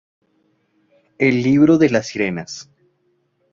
El libro de las sirenas".